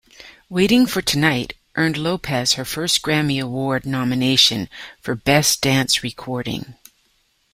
"Waiting for Tonight" earned Lopez her first Grammy Award nomination, for Best Dance Recording.